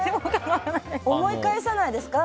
思い返さないですか？